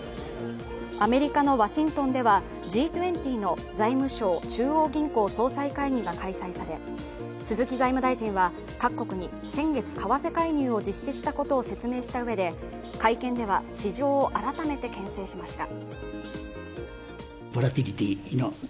アメリカのワシントンではＧ２０の財務相・中央銀行総裁会議が開催され鈴木財務大臣は各国に先月、為替介入したことを説明したうえで、会見では市場を改めてけん制しました。